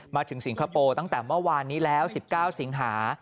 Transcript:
สิงคโปร์ตั้งแต่เมื่อวานนี้แล้ว๑๙สิงหา